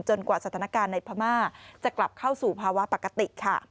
กว่าสถานการณ์ในพม่าจะกลับเข้าสู่ภาวะปกติค่ะ